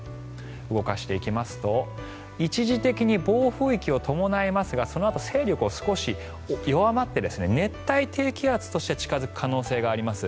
動かしていきますと一時的に暴風域を伴いますがそのあと勢力が少し弱まって熱帯低気圧として近付く可能性があります。